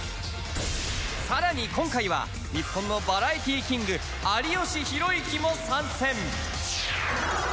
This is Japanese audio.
さらに今回は日本のバラエティキング有吉弘行も参戦！